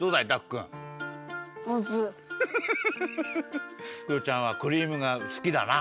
クヨちゃんはクリームが好きだな。